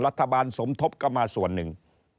รัฐบาลสมทบก็มาส่วนหนึ่ง